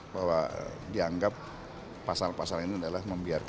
bahwa dianggap pasal pasal ini adalah membiarkan